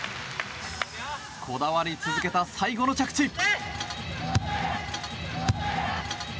こだわり続けた最後の着地。